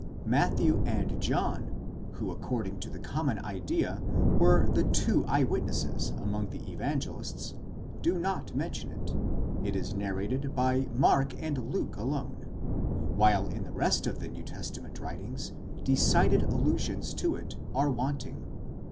Matthew and John, who according to the common idea were the two eyewitnesses among the Evangelists, do not mention it ; it is narrated by Mark and Luke alone, while in the rest of the New Testament writings decided allusions to it are wanting.